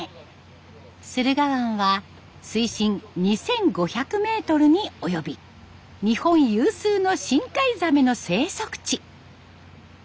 駿河湾は水深２，５００メートルにおよび日本有数の深海ザメの生息地。